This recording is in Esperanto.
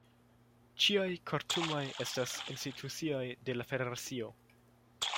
Ĉiuj kortumoj estas institucioj de la federacio.